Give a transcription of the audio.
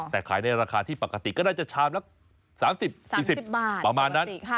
แต่ขายในราคาที่ปกติก็น่าจะชามละ๓๐๔๐บาทประมาณนั้น